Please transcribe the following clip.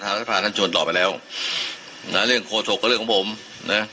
ท่านท่านท่านชนตอบไปแล้วน่ะเรื่องโคสกก็เรื่องของผมน่ะ